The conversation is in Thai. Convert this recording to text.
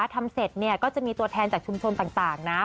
ทำเสร็จก็จะมีตัวแทนจากชุมชนต่างนะ